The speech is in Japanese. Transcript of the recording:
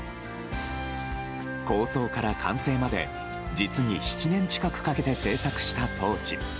構想から完成まで実に７年近くかけて制作したトーチ。